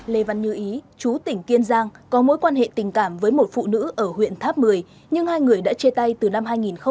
lê văn như ý chú tỉnh kiên giang có mối quan hệ tình cảm với một phụ nữ ở huyện tháp mười nhưng hai người đã chê tay từ năm hai nghìn hai mươi hai